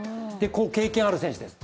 経験ある選手です。